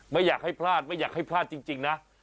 ไม่อยากให้พลาดไม่อยากให้พลาดจริงนะ